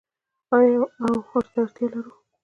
آیا او ورته اړتیا نلرو؟